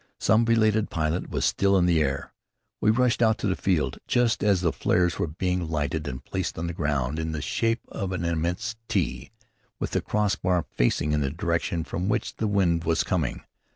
Some belated pilot was still in the air. We rushed out to the field just as the flares were being lighted and placed on the ground in the shape of an immense T, with the cross bar facing in the direction from which the wind was coming.